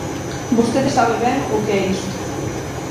Vostede sabe ben o que é isto.